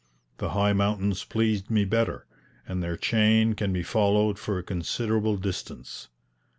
The high mountains pleased me better; and their chain can be followed for a considerable distance.